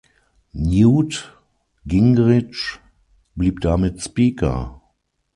Newt Gingrich blieb damit Speaker.